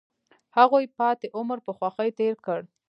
هغوی پاتې عمر په خوښۍ تیر کړ.